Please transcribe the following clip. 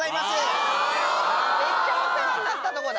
めっちゃお世話になったとこだ。